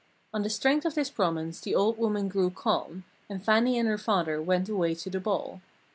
On the strength of this promise the old woman grew calm, and Fannie and her father went away to the ball.